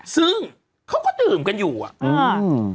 ซึ่งเขาก็ดื่มกันอยู่อ่ะอืม